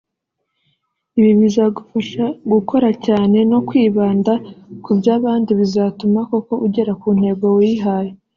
Ibi bizagufasha gukora cyane no kwibanda kuri bya bindi bizatuma koko ugera ku ntego wihaye